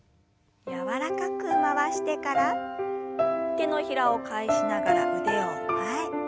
柔らかく回してから手のひらを返しながら腕を前。